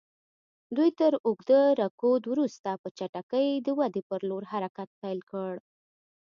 دوی تر اوږده رکود وروسته په چټکۍ د ودې پر لور حرکت پیل کړ.